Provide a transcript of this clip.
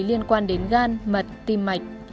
liên quan đến gan mật tim mạch